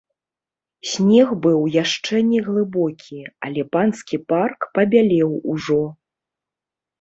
Снег быў яшчэ не глыбокі, але панскі парк пабялеў ужо.